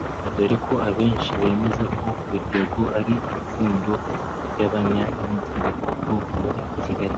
dore ko abenshi bemeza ko Biryogo ari ipfundo ry’Abanyamujyi bo muri Kigali